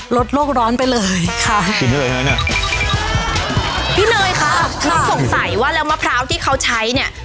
ลดโลกร้อนไปเลยค่ะพี่เนยค่ะทำสงสัยว่าแล้วมะพร้าวที่เขาใช้เนี้ย